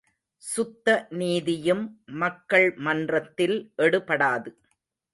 சுத்த நீதியும் மக்கள் மன்றத்தில் எடுபடாது.